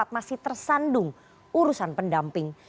masih tersandung urusan pendamping